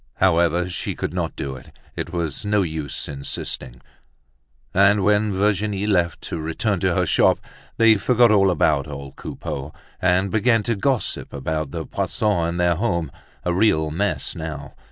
However, she could not do it, it was no use insisting! And when Virginie left to return to her shop, they forgot all about old Coupeau and began to gossip about the Poissons and their home, a real mess now.